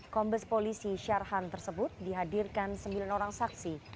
kombes polisi syarhan tersebut dihadirkan sembilan orang saksi